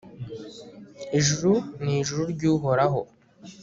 ijuru ni ijuru ry'uhoraho